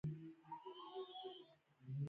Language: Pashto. بادي انرژي د افغانستان په هره برخه کې موندل کېږي.